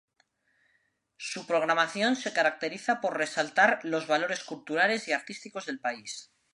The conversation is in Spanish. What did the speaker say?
Su programación se caracteriza por resaltar los valores culturales y artísticos del país.